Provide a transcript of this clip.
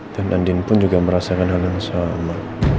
dan andin pun juga merasakan hal yang sama